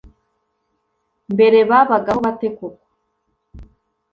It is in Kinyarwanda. mbere babagaho bate koko